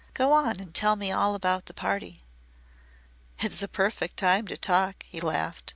Go on and tell me all about the party." "It's a perfect time to talk," he laughed.